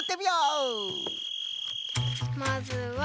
まずは。